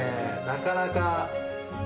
なかなか。